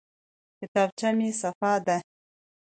کتابچه مې صفا ده.